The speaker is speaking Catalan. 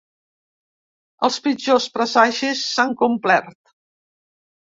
Els pitjors presagis s’han complert.